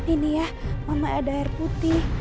ini ya mama ada air putih